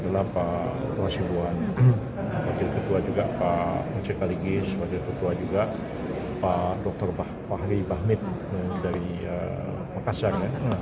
adalah pak tuan sibuan wakil ketua juga pak encik kaligis wakil ketua juga pak dr fahri bahmit dari makassar